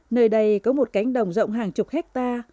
nơi đây có một cánh đồng rộng hàng chục hectare